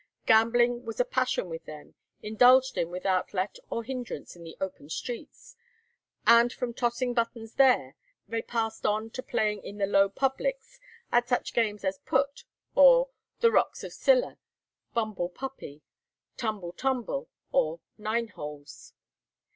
Gambling was a passion with them, indulged in without let or hindrance in the open streets; and from tossing buttons there they passed on to playing in the low publics at such games as "put," or "the rocks of Scylla," "bumble puppy," "tumble tumble," or "nine holes."